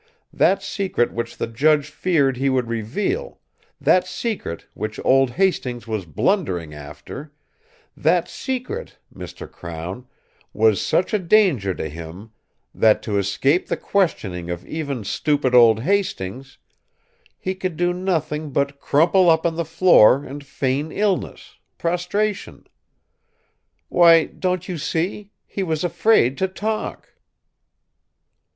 That secret which the judge feared he would reveal, that secret which old Hastings was blundering after that secret, Mr. Crown, was such a danger to him that, to escape the questioning of even stupid old Hastings, he could do nothing but crumple up on the floor and feign illness, prostration. Why, don't you see, he was afraid to talk!"